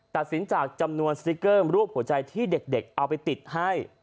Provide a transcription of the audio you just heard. ตัดสินจากจำนวนสติ๊กเกอร์รูปหัวใจที่เด็กเอาไปติดให้